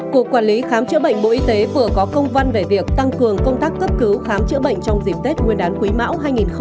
cục quản lý khám chữa bệnh bộ y tế vừa có công văn về việc tăng cường công tác cấp cứu khám chữa bệnh trong dịp tết nguyên đán quý mão hai nghìn hai mươi